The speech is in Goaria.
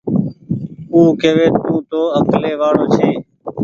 او ڪوي تونٚ تو اڪلي وآڙو ڇي